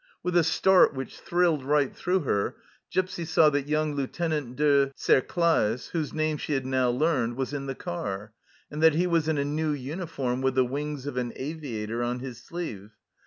With a start which thrilled right through her, Gipsy saw that young Lieutenant de T'Serclaes, whose name she had now learned, was in the car, and that he was in a new uniform with the wings of an aviator on his sleeve.